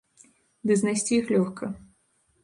Ды знайсці іх лёгка.